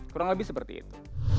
kurang lebih seperti itu